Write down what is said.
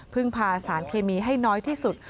พาสารเคมีให้น้อยที่สุด